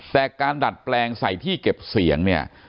แต่การดัดแปลงใส่ที่เก็บเสียงเนี่ย